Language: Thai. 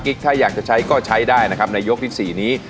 ถ้าอยากจะใช้ก็ใช้ได้นะครับในยกที่๔นี้